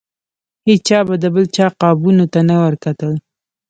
هیچا به د بل چا قابونو ته نه ورکتل.